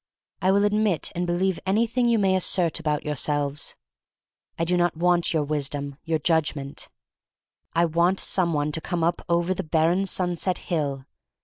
I will admit and believe anything you may assert about your selves. I do not want your wisdom, your judgment. I want some one to come up over the barren sunset hill.